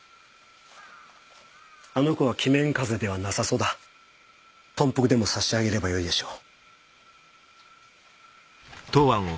あの子は鬼面風邪ではなさそうだ頓服でも差し上げればよいでしょう